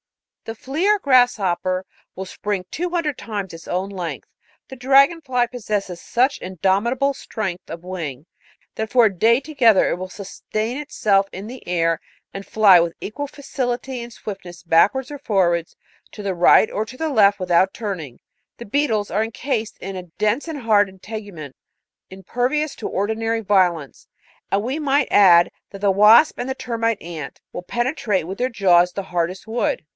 " The flea or grasshopper will spring two hundred times its own length ; the dragon fly possesses such indomitable strength of wing, that for a day together it will sustain itself in the air, and fly with equal facility and swiftness backwards or forwards, to the right or to the left without turning; the beetles are encased in a dense and hard integument, impervious to or dinary violence ; and we might add, that the wasp and the termite ant will penetrate with their jaws the hardest wood.